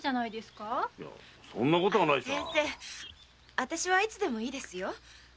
あたしはいつでもいいですよ。